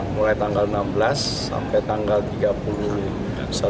mulai tanggal enam belas sampai tanggal tiga puluh satu